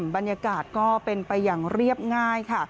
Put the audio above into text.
บรรยากาศก็เป็นไปอย่างเรียบง่ายค่ะ